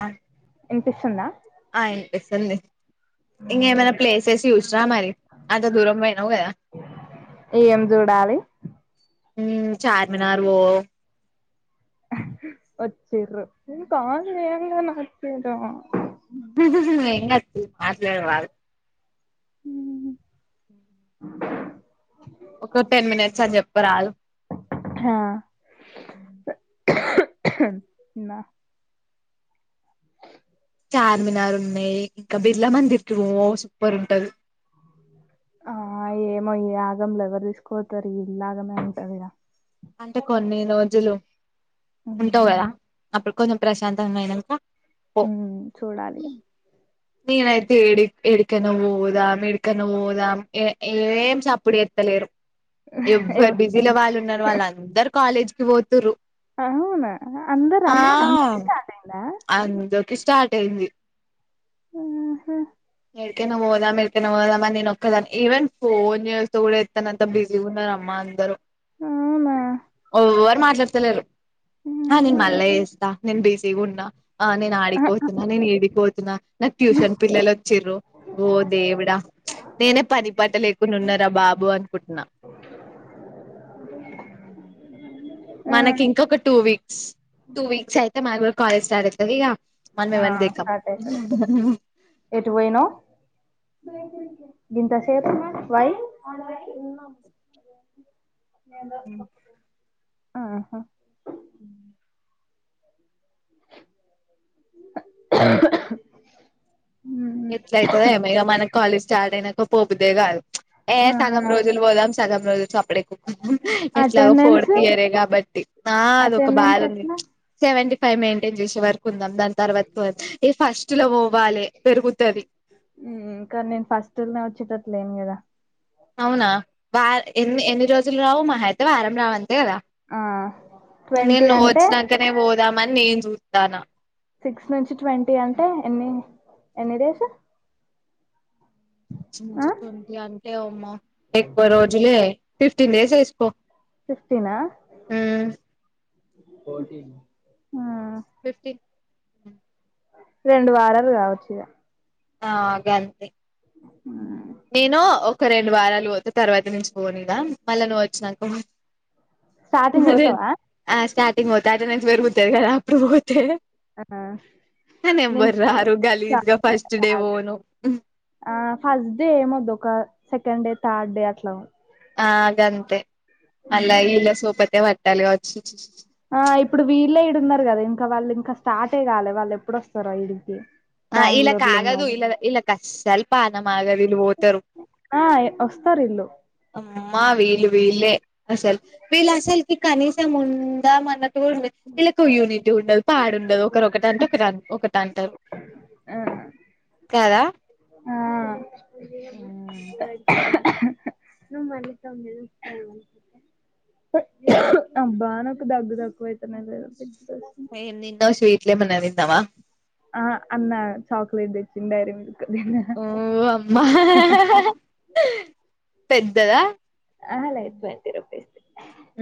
ఆ వినిపిస్తుందా ఆ విన్పిస్తుంది ఇంకెమైనా ప్లేసెస్ చూసిన మరి అంత దూరం పోయినావు కదా ఏం చూడాలి మ్ చార్మినార్ పో వచ్చిర్రు నేను కాల్ చేయగానే వచ్చిడ్ర ఎం కాదు తి మాట్లాడు వాడు ఒక టెన్ మినిట్స్ అని చెప్పరాదు హ న చార్మినార్ ఉన్నాయి ఇంకా బిర్లా మందిర్ కి పో సూపర్ ఉంటాది ఆ ఏమో ఈ ఆగంలో ఎవరు తీసుకవోతారు ఇల్లా ఆగమే ఉంటదిగ అంటే కొన్ని రోజులు ఉంటవు కదా ఉమ్ అప్పుడు కొంచెం ప్రశాంతంగా అయినాక పో మ్ చూడాలి నేనైతే ఏడి ఎడికన పోదాం ఎడికన పోదాం ఏం సప్పుడు చేత్తలేరు ఇగ ఎవ్వరు బిజీలో వాళ్ళు ఉన్నారు వాళ్ళు అందరు కాలేజ్ కి పోతుర్రు అవునా అందరు అదరికి స్టార్ట్ అయిందా అందరికీ స్టార్ట్ అయింది ఆహా ఎడికైనా పోదాం ఏడికైనా పోదాం మని నేను ఒక దానే ఈవేన్ ఫోన్ చేస్తే కూడా ఎత్ కనంత బిజీగుణరమ్మా అందరూ అవునా ఎవరు మాట్లాడతలేరు ఆ నేన్ మళ్ళా చేస్త నేన్ బిజీగునా ఆ ఆహా నేనడికిపోతున్న నేను ఏడిక్పోతున్నా నాకు ట్యూషన్ పిల్లల వచిరు ఓ దేవుడా నేనే పని పట లేకుడా ఉన్నారా బాబు అనుకుంటున్నా [unintelligible] మనకి ఇంకొక టూ వీక్స్ టూ వీక్స్ అయితే మన కూడా కాలేజ్ స్టార్ట్ అవుతుది ఇక మనం ఆ ఎవర్ని దేకం స్టార్ట్ అయితది ఎటు పోయినావ్ గింత సేపు ఉన్నవ్ వై ఆహా ఆ హ ఎట్లైతదో ఏమై మనకి కాలేజ్ స్టార్ట్ అయినాక పోబుద్దె కాదు ఏ సగం ఆ రోజులు పోదా సగం రోజులు చొప్పుడే ఎట్లాగో అటెండెన్స్ ఫోర్త్ ఇయరే కాబట్టి ఆ అదొక అటెండెన్స్ బాధ ఉంది ఎట్లా సెవెంటీ ఫైవ్ మెయింటైన్ చేసే వరకు ఉందాం దాని తర్వాత ఎ ఫస్ట్లో పోవ్వాలే పెరుగుతది ఇంకా నేను ఫస్ట్నే వచ్చేటట్ లేను కదా అవునా వ ఎన్ని ఎన్ని రోజులు రావు మాహ అయితే వారం రావంతే కదా ఆ నేను ట్వంటీ నువ్వు అంటే వచ్చినకనే పోదామని నేను చూతన్న సిక్స్ నుంచి ట్వంటీ అంటే ఎన్ని ఎన్ని డేస్ సిస్ ఆ నుంచి ట్వంటీ అంటే అమ్మ ఎక్కువ రోజులే ఫిఫ్టీన్ డేస్ ఎస్కో ఫిఫ్టీన్ ఆ ఫోటీన్ ఆ ఫిఫ్టీ రెండు వారాలు కావచ్చు ఇగా ఆ గంతే ఆ నేను ఒక రెండు వారాలు వద్దుతర్వాత నుంచి పోదునా మళ్ళా నువ్వు వచ్చినక స్టార్టింగ్ పోతావా ఆ స్టార్టింగ్ పోత అటనెన్స్ పెరుగుతాయి కదా అప్పుడు పోతే ఆ నే నేను నంబర్‌ ఆరు గలీజ్ గా ఫస్ట్ నీ వోను ఆ ఫస్ట్ డే ఏమ్ వద్దు ఒక సెకండ్ డే థర్డ్ డే అట్ల వో ఆ గంతే అళ్ళ ఉమ్ ఇళ్ళ సూపతే పట్టాలి వచ్చుచ్చుచ్చు ఆ ఇప్పుడు వీళ్ళే ఇడున్నారు కదా ఇంకా వాళ్ళు ఇంకా స్టాటే కాలే వాళ్ళు ఎప్పుడోస్తారో ఈడికి ఆ ఇలా బెంగళూరు లో కాగదు ఉన్నారు ఇలాగాఇల్ అస్సలు పానం ఆగదు ఇల్ ఓతారు ఆ య్ వస్తారు ఇల్లు అమ్మా వీల్ వీల్లే అసలు వీల్ అస్సలు కీ కనీస ముందా మన వీళ్ళకు యూనిటీ ఉండదు పాడు ఉండదు ఒకరు ఒకటి అంటే ఒకరు ఒకటంటారు ఆ కాదా అ [inaudible] ఉమ్ నువ్ మల్లి తందే ఫైవ్ ఉఅబ్బా నాకుదగ్గు దగ్గువైతాంది అట్ల అని పిస్తా ఏ నితో స్వీట్లే మన్నా విత్తావా ఆ అన్న చాక్లెట్ తెచ్చిండ్యా ఈడికి ఓ అమ్మా పెద్దదా అహా లేద్ టొంటి రుఫీస్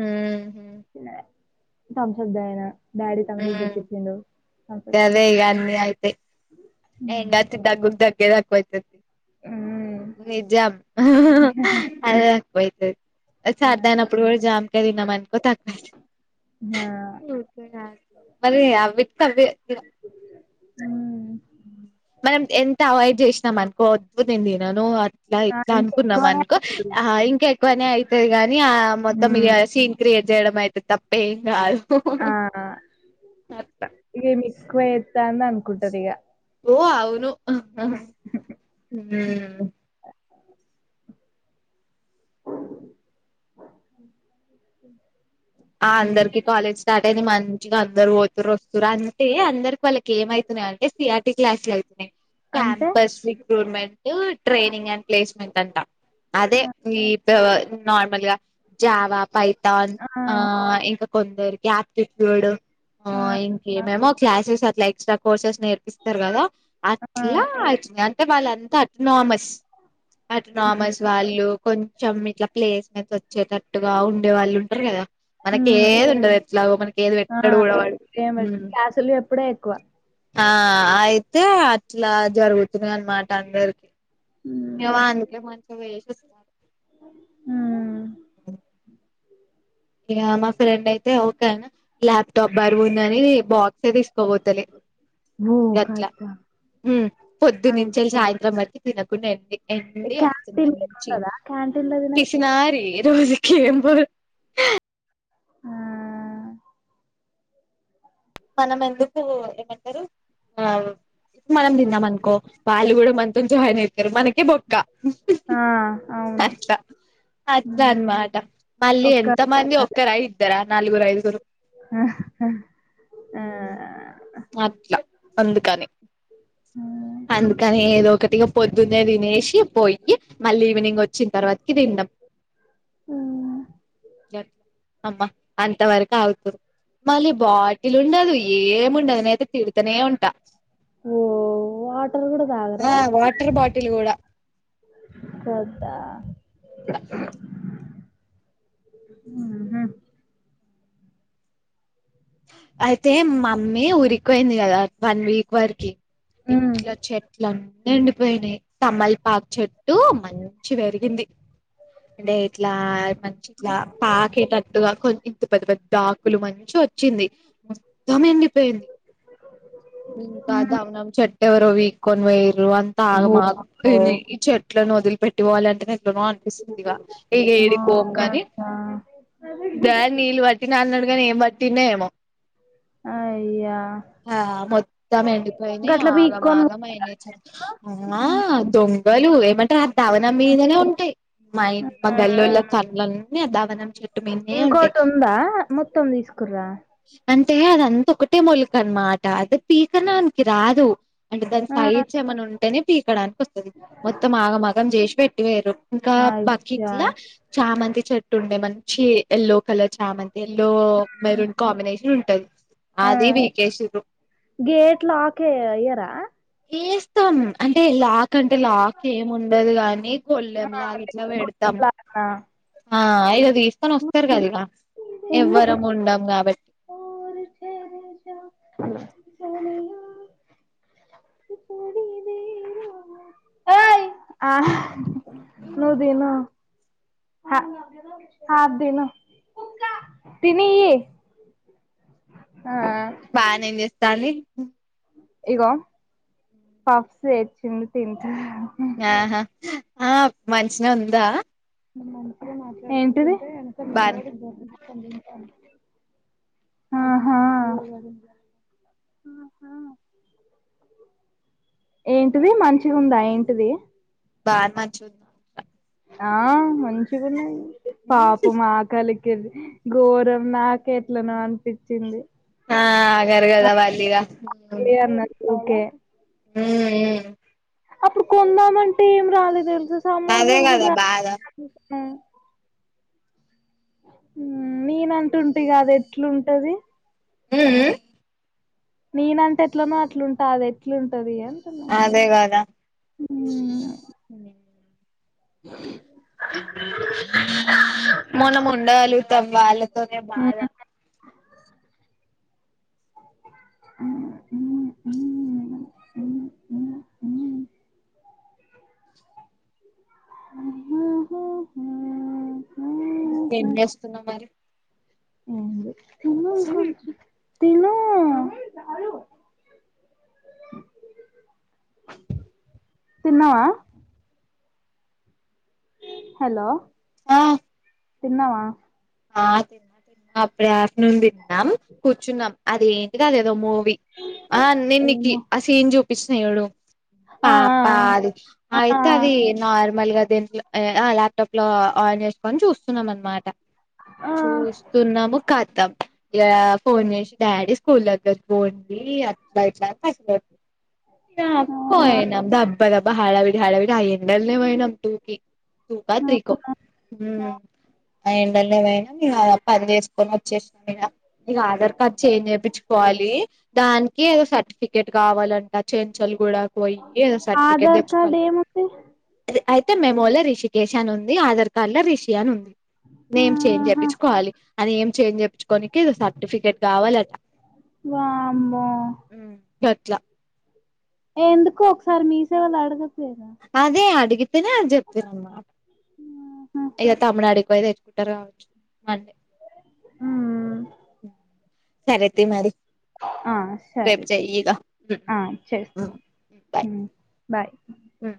ఉహు యతమ్ సప్ తాగి నాం డ్యాడీ రంగుల్ ఉమ్ చూపించిండు అబ్బా చా ఏయ్ దాచిదగ్గు దగ్గెక్కువైతాది నిజం అహ్ హ్ హ్ అదే ఎక్కువైతాది సరదాన అప్పుడు కూడా జామ్ కాయ తిన్నాంనుకో తక్కు ఆ ఆ ఓకే నారిమరి అవిత్త అవే హా మనం ఎంత అవాయిడ్ చేసినాం అనుకో వద్దు నేన్ తినను అట్లా ఆ! ఇట్లా అనుకున్నాం ఇంకెక్కువనే అనుకో అనుకుంటది. ఆ ఇంకా ఎక్కువనే అవుతాది గానీ ఆ మొత్తం ఇక హ్మ్. సీన్ క్రియేట్ చేయడం అయితేతప్పే ఏం కాదు ఉహ్ హ్ అత్త ఇ గేమి క్కువ ఎత్తాంది. అన్కుంటదిగ ఓ అవును అ [inaudible] అ [inaudible] ఆ అందరికి కాలేజ్ స్టార్ట్ అయితే మంచిగా అందరొద్దు రొద్దు రా అంటే అందరికి వాళ్ళకి ఏమైతా ద్యా అంటే సిఆర్టీ క్లాస్లు ఐ అంటే campus recruitment training and placement అంటా అదే ఆ! నీ తో నార్మల్గా జావా పైథాన్ ఆ ఇంకా కొందరికి ఆయాప్టిట్యూడ్ ఆ ఆ! ఇంకేమేమో క్లాసెస్ అట్లా ఇచ్చి నాం కోర్సెస్ నేర్పిస్తారు కదా ఆ! అట్లా వాళ్ళంతా అట్ నా మెస్ అట్ నా హ్మ్. మెస్ వాళ్ళు కొంచెం ఇట్లా ప్లేస్ మీద వచ్చేటట్టుగా ఉండే వాళ్ళు ఉంటారు కదా మనకి హ్మ్. ఏది ఉండదు ఎట్లాగో మనకి ఏది వేట్టడు గూడా వాడు అసలు ఎప్పుడే ఎక్కువ ఆ అయితే అట్లా జరుగుతుందా అనమాట అందరు ఏ హ్మ్. వా నిజం మరసంగా చెప్పు హమ్ ఇక మా ఫ్రెండ్ అయితే ఓకేనా ల్యాప్ టాప్ బరువుందని బాక్సే తీసుకోవ తలే ఓ గట్లా ఖతం. ఉమ్ పొద్దు నుంచి అయ్యో! సాయంత్రం మట్ తినకుండా ఎండి ఏ ఎండి వస్తుంది క్యాంటీన్ మంచిగా గినుండదా? క్యాంటీన్‌లో తినకు పిసినారి రోజు కేం బోలే ఆ మనం ఎందుకు ఏమంటారు ఆ ఇ మనం తిన్నాం అనుకో వాళ్ళు కూడా మనతోనే జాయిన్ అయి మనకే బొక్క ఆ! అవును. అట్లా అట్లా హ్మ్. అన్నమాట మళ్ళీ ఒక్క ఎంత మంది ఒక్కరా ఇద్దారా నాలుగురు ఐదుగురు ఆ ఆ అట్లా అందుకని ఆమ్ అందుకని ఏదో ఒకటిగా పొద్దున్నే తినేసి పోయి మళ్ళీ ఈవినింగ్ వచ్చి వచ్చిన తర్వాత కి తింటాం ఉమ్, క అబ్బా అంత వరకు అగుతారు మళ్ళీ బాటిల్ ఉండదు ఏముండదు నేనయితే తిడతనే ఉంటా ఓ వాటర్ కూడా ఆ తాగరా వాటర్ బాటిల్ కూడా పెద్ద అట్లా అయితే మమ్మీ ఉరికిపోయింది కదా వన్ వీక్ వరకి ఇంట్లో చెట్ ఇట్ల అన్నీ ఉండిపోయినాయి తమలపాకు చెట్టు మంచి పెరిగింది అంటే ఇట్లా మంచి ఇట్లా పాకేటట్టుగా కొ ఇంత పెద్ద పెద్ద దాకులు మంచి వచ్చింది మొత్తం ఎండిపోయింది ఇంకా దమ్నమ్ చెట్టు ఎవరో పీకొని పోయిరు అంత ఓ ఆగమ్ ఆగమ్ ఇ ఈ ఓ చెట్లు లను వదిలి పెట్ పెట్టి పోవాలంటేనే ఇట్లానో అనిపిస్తుంది ఇక ఇక ఏది కోగాని అదే కదా తిన్నా అన్నాడు కాని ఏం పట్టిందో ఎమో ఆ అయ్యా ఇద్దాం ఎండిపోయినాయి గట్ల ఆగం పీక్కొని ఆగం అయిన చ ఆ ఉమ్, దొంగలు ఏమంటారు ఆ దావన మీదనే ఉంటాయి మా ఇ మా గల్ల్లోల ఉమ్. కండ్లు అన్ని డబ్బా మీద చెట్టు మీన్నే ఉంటాయి కురా అంటే అదంత ఒకటే మొలిక అన్నమాట అది పీకడానికి రాదు అంటే దాని ఆ సైడ్స్ ఏమన్నా ఉంటేనే పీకడానికి వస్తది మొత్తం ఆగమాగం చేసి పెట్టి వేరు ఇంకా బకీ అయ్యా ఇట్లా చామంతి చెట్టు ఉండే మంచి యల్లో కలర్ చామంతి ఎల్లో మెరూన్ కాంబినేషన్ ఉంటది ఆ అదే పీకేసీరు గేట్ లాకే ఎయ్యరా ఎస్తాం అంటే లాక్ కంటే లాక్ ఏముండదు కాగాని గోలెం లాగి ఇట్లా పెడతాం ఆ ఇదో తీస్తకొని వస్తారు కదా ఇక ఎవ్వరం ఉండం కాబట్టి స ఆహ్ ను తిను హ అద్ తిను తినేయి బానేన్జెస్తాన్ది ఇగో పఫ్స్ తేచ్చింది తింట ఆహా ఆ మనిషిన ఉందా ఏంటిది బానే అహా ఏంటిది మంచి ఉందా ఏంటిది బార్ మచుంది ఆ మంచిగాన్నాయి పాపం ఆకలికి ఇది ఘోరం నాక్ ఎట్లనో అనిపించింది ఆ ఆగరు కదా వాళ్ళు ఇగ ఓకే ఏ ఏ అప్పుడు కొందామంటే ఏం రాలేదు తెలుసు అదే సమోసాలు కదా కూడా బాధ ర నేనంటుంటా కాదా ఎట్లు ఉంటది ఉ ఊ నేనంటే ఎట్లనో అట్లుంటా అది ఎట్లుంటది అంటున అదే కాదా అ మనం ఉండగాలి త వాళ్ళతోనే బాగా ఉ ఆహహ ఇంకేం చేస్తున్నావ్ మరి ఉంది తిన్ను తిన్నావా హలో ఆ తిన్నావా ఆ తిన్నా [unintelligible] తిన్నాం కూర్చున్నాం అది ఏంటి అది ఏదో మూవీ ఆ నేనీకి ఏమో ఆ సీన్ చూపించిన ఏడో ఆ పాపా అది ఆ ఆ ఆయితే అది నార్మల్ గా దీంట్లో ల్యాప్టాప్ లో ఆన్ చేసుకొని చూస్తున్నాం అనమాట ఆ చూస్తున్నాము కతం ఇగా ఫోన్ జేసీ డాడి స్కూల్ దగ్గరికి పోండి అట్లా ఇట్లా మాట్ ఆహా ఆహా. పోనా అబ్బా అబ్బా హావిడి హావిడియిడి అయే ఎండల్నే పోయినాం టూకి టూకా త్రీకో హ్మ్ అ ఇంగ పోయినాం పని చేసుకొని వచ్చేసిన ఇగా ఆధార్ కార్డ్ చేంజ్ చేపించుకోవాలి దానికి ఏదో సర్టిఫికేట్ కావాలంట చెంచలుగుడా పోయి ఏదో సర్టిఫికేట్ ఆధార్ తెచ్చుకోవాలి [unintelligible] అయితే మెమో లో రిషికేష అన్ ఉంది ఆధార్ కార్డ్ లో రిషి అన్ ఉంది నేం చేంజ్ ఆహా చెప్పించుకోవాలి అది ఏం చేంజ్ చెప్పీచ్ కొనికి సర్టిఫికెట్ గావాల వామ్మో గట్లా ఎందుకో ఒకసారి మీ సేవా లో అడగొచ్చు కాద అదే అడిగితేనే అది చెప్పిర్ అన్నమాట ఇక తమిళనాడుకి వైదే ఏచ్చుకుంటా రావచ్చు మ [inaudible] ఊ సరే తీ మరి ఆ రేపు సరే తీ చెయ్యి ఇగ ఆ చేస్ ఊ బాయ్ బాయ్